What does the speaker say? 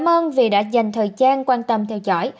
cảm ơn quý vị đã dành thời gian quan tâm theo dõi